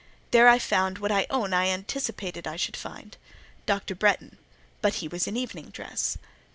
There I found what I own I anticipated I should find—Dr. Bretton; but he was in evening dress.